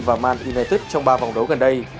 và man united trong ba vòng đấu gần đây